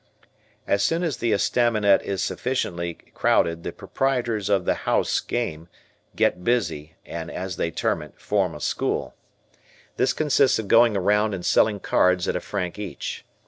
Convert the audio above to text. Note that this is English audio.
As soon as the estaminet is sufficiently crowded the proprietors of the "House Game" get busy and as they term it "form a school." This consists of going around and selling cards at a franc each.